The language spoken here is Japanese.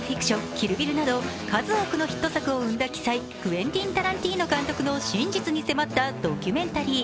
「キル・ビル」など数多くのヒット作を産んだ奇才クエンティン・タランティーノの真実に迫ったドキュメンタリー。